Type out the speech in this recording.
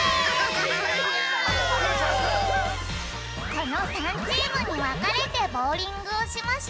この３チームにわかれてボウリングをしましゅ。